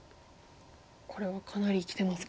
これはかなりきてますか？